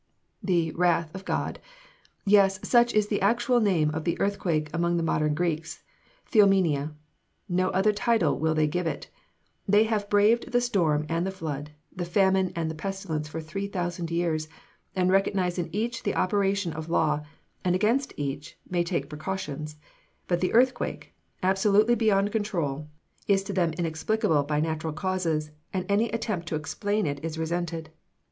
The "Wrath of God!" Yes, such is the actual name of the earthquake among the modern Greeks Theomenia. No other title will they give it. They have braved the [Illustration: WRECK OF THE CHARLESTON EARTHQUAKE.] storm and the flood, the famine and the pestilence for three thousand years, and recognize in each the operation of law, and against each may take precautions; but the earthquake, absolutely beyond control, is to them inexplicable by natural causes, and any attempt to explain it is resented.